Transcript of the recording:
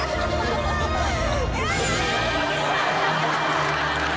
やだ！